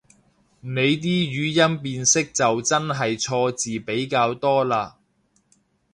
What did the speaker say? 你啲語音辨識就真係錯字比較多嘞